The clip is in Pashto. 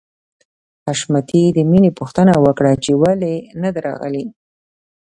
حشمتي د مینې پوښتنه وکړه چې ولې نده راغلې